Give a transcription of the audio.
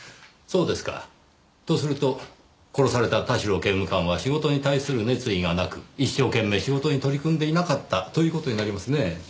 そうですか。とすると殺された田代刑務官は仕事に対する熱意がなく一生懸命仕事に取り組んでいなかったという事になりますねぇ。